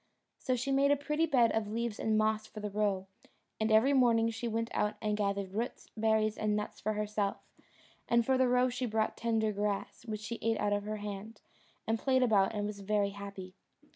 So she made a pretty bed of leaves and moss for the roe; and every morning she went out and gathered roots, berries, and nuts for herself; and for the roe she brought tender grass, which he ate out of her hand, and played about and was very happy.